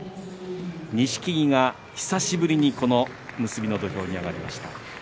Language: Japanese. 錦木が久しぶりに結びの土俵に上がりました。